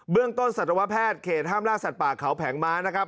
เรื่องต้นสัตวแพทย์เขตห้ามล่าสัตว์ป่าเขาแผงม้านะครับ